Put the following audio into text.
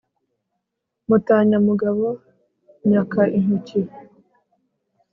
mutanyamugabo nyaka intoki